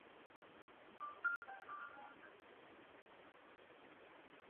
看着他对着一个布包跪拜和痛苦呻吟。